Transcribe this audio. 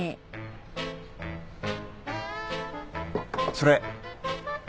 ・それ。